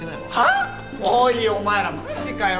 おいお前らマジかよ！